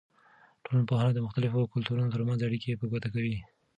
ټولنپوهنه د مختلفو کلتورونو ترمنځ اړیکې په ګوته کوي.